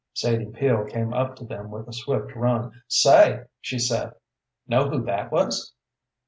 Sadie Peel came up to them with a swift run. "Say!" she said, "know who that was?"